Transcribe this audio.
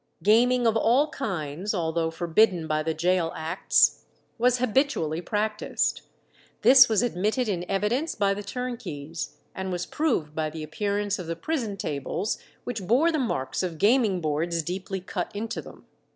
Gaming of all kinds, although forbidden by the Gaol Acts, was habitually practised. This was admitted in evidence by the turnkeys, and was proved by the appearance of the prison tables, which bore the marks of gaming boards deeply cut into them.